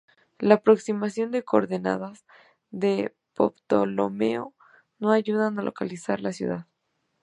La aproximación de coordenadas de Ptolomeo no ayudan a localizar la ciudad.